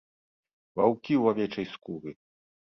Ваўкі ў авечай скуры!